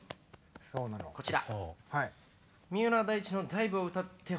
こちら。